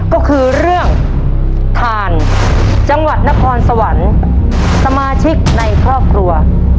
ก็คือเรื่องทานจังหวัดนครสวรรค์สมาชิกในครอบครัว